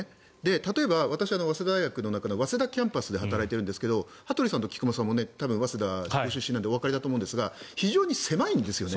例えば、私は早稲田大学の中で早稲田キャンパスで働いているんですけど羽鳥さんと菊間さんも早稲田ご出身なのでおわかりだと思いますが非常に狭いんですよね